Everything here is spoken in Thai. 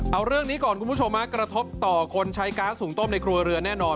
เอาเรื่องนี้ก่อนคุณผู้ชมกระทบต่อคนใช้ก๊าซหุ่งต้มในครัวเรือนแน่นอน